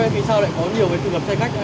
vì sao lại có nhiều tư vật xe khách